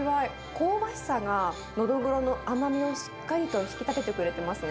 香ばしさがノドグロの甘みをしっかりと引き立ててくれてますね。